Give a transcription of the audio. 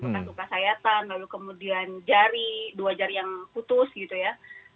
luka luka sayatan lalu kemudian jari dua jari yang putus gitu ya